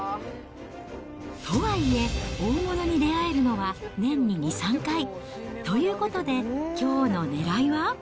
とはいえ、大物に出会えるのは年に２、３回。ということで、きょうの狙いは？